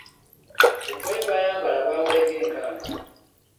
Obugoye bwayambala bwamuleega enkaka .